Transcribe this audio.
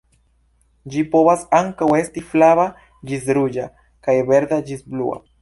Ĝi povas ankaŭ esti flava ĝis ruĝa kaj verda ĝis blua.